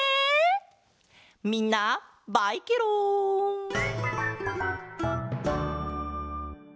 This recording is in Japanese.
みんなバイケロん！